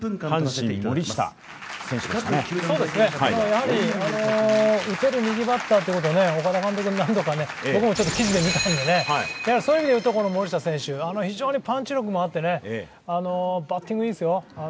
やはり打てる右バッターということで、岡田監督も何度か、僕も記事で見たので、そういう意味でいうと森下選手非常にパンチ力もあってねバッティングいいですよ。